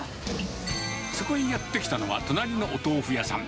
そこにやって来たのは、隣のお豆腐屋さん。